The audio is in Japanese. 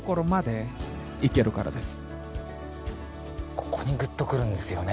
ここにグッとくるんですよね。